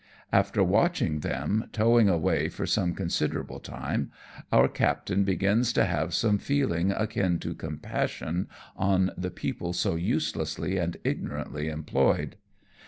After watching them towing away for some considerable time, our captain ATI EM FT TO PUT US OUT OF HARBOUR. 133 begins to have some feeling akin to compassion on the people so uselessly and ignorantly employed.